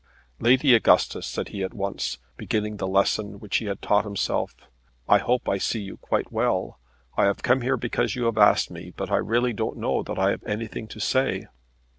"Lady Augustus," said he at once, beginning the lesson which he had taught himself, "I hope I see you quite well. I have come here because you have asked me, but I really don't know that I have anything to say."